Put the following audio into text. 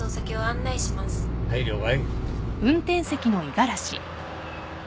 はい了解。